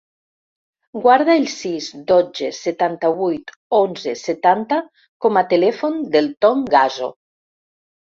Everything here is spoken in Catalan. Guarda el sis, dotze, setanta-vuit, onze, setanta com a telèfon del Ton Gasso.